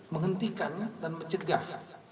menghentikan dan mencegah